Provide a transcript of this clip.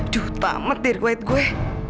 duh tamat dari kuat gue